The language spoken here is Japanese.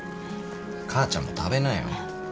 母ちゃんも食べなよ。